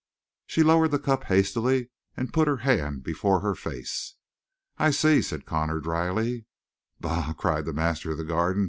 She lowered the cup hastily and put her hand before her face. "I see," said Connor dryly. "Bah!" cried the master of the Garden.